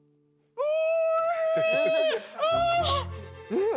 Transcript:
うん。